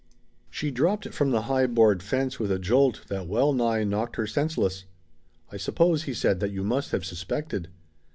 She dropped from the high board fence with a jolt that well nigh knocked her senseless. "I suppose," he said, "that you must have suspected."